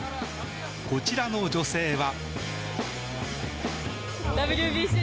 こちらの女性は。